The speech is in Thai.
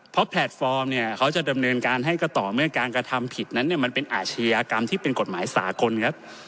เพราะแพลตฟอร์มเนี่ยเขาจะดำเนินการให้ก็ต่อเมื่อการกระทำผิดนั้นเนี่ยมันเป็นอาชญากรรมที่เป็นกฎหมายสากลครับ